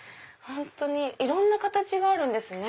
いろんな形があるんですね。